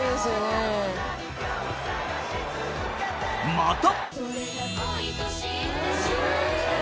［また］